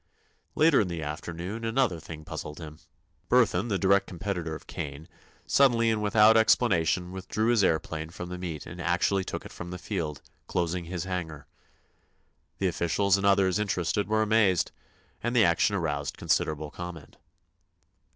Later in the afternoon another thing puzzled him. Burthon, the direct competitor of Kane, suddenly and without explanation withdrew his aëroplane from the meet and actually took it from the field, closing his hangar. The officials and others interested were amazed, and the action aroused considerable comment.